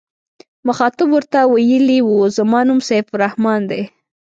مخاطب ورته ویلي و زما نوم سیف الرحمن دی.